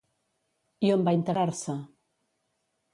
I on va integrar-se?